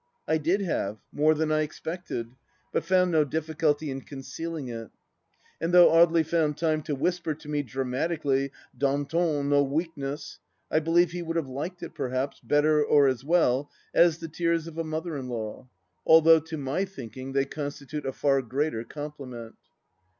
I did have, more than I expected, but found no difficulty in concealing it. And though Audely found time to whisper to me, dramatically, " Danton, no weakness 1 " I believe he would have liked it, perhaps, better, or as well, as the tears of a mother in law, although to my thinking they constitute a far greater compliment.